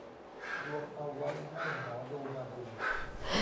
ดวงเอาไว้ให้หมอดูมาดู